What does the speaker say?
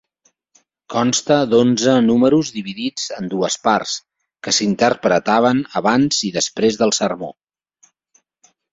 Consta d'onze números dividits en dues parts, que s'interpretaven abans i després del sermó.